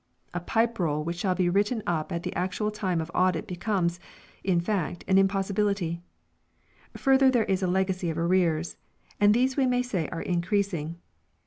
A Pipe Roll which shall be written up at the actual time of audit becomes, in fact, an impossibility. Further there is a legacy of arrears, and these we may say are increasing.